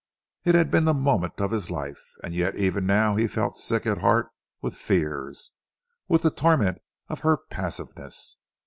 It had been the moment of his life, and yet even now he felt sick at heart with fears, with the torment of her passiveness.